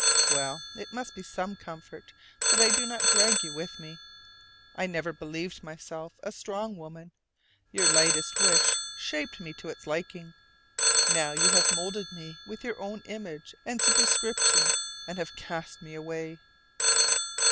Well, it must be some comfort that I do not drag you with me. I never believed myself a "strong" woman; your lightest wish shaped me to its liking. Now you have molded me with your own image and superscription, and have cast me away.